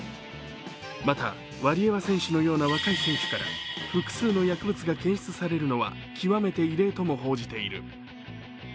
また、ワリエワ選手のような若い選手から複数の薬物が検出されるのは極めて異例とも報じている。